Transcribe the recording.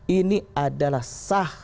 ini adalah sah